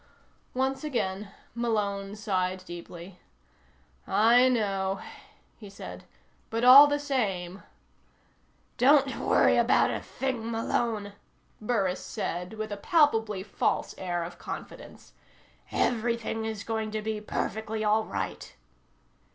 Once again, Malone sighed deeply. "I know," he said. "But all the same " "Don't worry about a thing, Malone," Burris said with a palpably false air of confidence. "Everything is going to be perfectly all right."